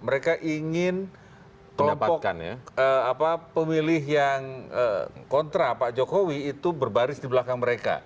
mereka ingin kelompok pemilih yang kontra pak jokowi itu berbaris di belakang mereka